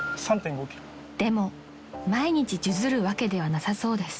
［でも毎日数珠るわけではなさそうです］